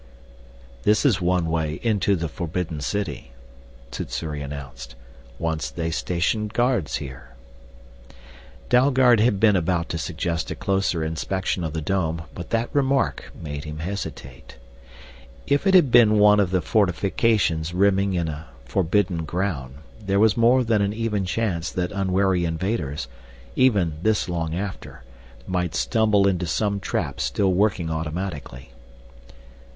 "This is one way into the forbidden city," Sssuri announced. "Once they stationed guards here." Dalgard had been about to suggest a closer inspection of the dome but that remark made him hesitate. If it had been one of the fortifications rimming in a forbidden ground, there was more than an even chance that unwary invaders, even this long after, might stumble into some trap still working automatically.